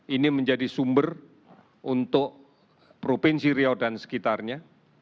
ini menjadi sumber untuk provinsi riau dan sekitarnya